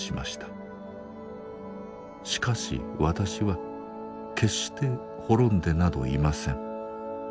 しかし私は決して滅んでなどいません。